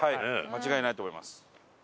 間違いないと思います。